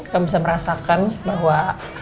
kamu bisa merasakan bahwa